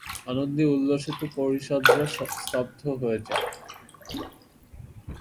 আনন্দ উল্লসিত পরিষদরা স্তব্ধ হয়ে যায়।